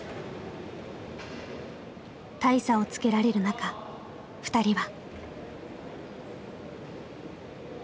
大差をつけられる中ふたりは。